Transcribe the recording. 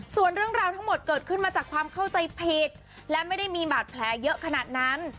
ส่วนเรื่องราวทั้งหมดเกิดขึ้นมาจากความเข้าใจผิดและไม่ได้มีบาดแผลเยอะขนาดนั้น